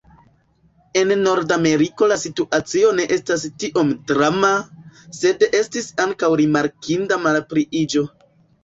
En Nordameriko la situacio ne estas tiom drama, sed estis ankaŭ rimarkinda malpliiĝo.